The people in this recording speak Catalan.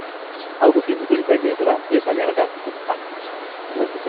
El gotim d'ull de llebre és allargat i compacte.